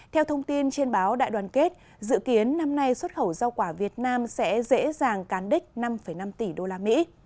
theo thông tin trên báo đại đoàn kết dự kiến năm nay xuất khẩu rau quả việt nam sẽ dễ dàng cán đích năm năm tỷ usd